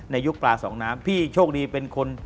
ยุคปลาสองน้ำพี่โชคดีเป็นคน